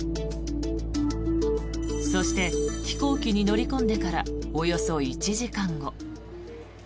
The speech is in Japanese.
そして、飛行機に乗り込んでからおよそ１時間後。